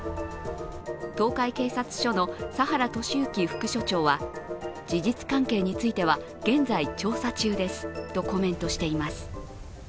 東海警察署の佐原利幸副署長は事実関係については現在、調査中ですとコメントしています。